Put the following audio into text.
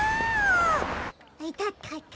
いたたたた。